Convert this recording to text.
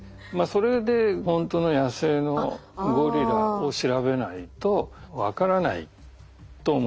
それでほんとの野生のゴリラを調べないと分からないと思ったんですね。